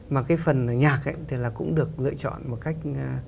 mà cái phần nhạc ấy thì là cũng được lựa chọn một cách